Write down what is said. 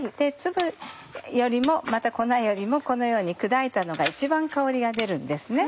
粒よりもまた粉よりもこのように砕いたのが一番香りが出るんです。